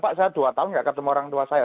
pak saya dua tahun nggak ketemu orang tua saya